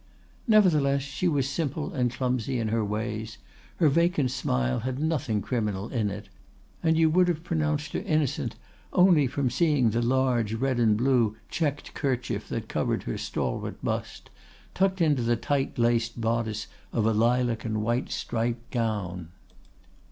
Nevertheless, she was simple and clumsy in her ways; her vacant smile had nothing criminal in it, and you would have pronounced her innocent only from seeing the large red and blue checked kerchief that covered her stalwart bust, tucked into the tight laced bodice of a lilac and white striped gown.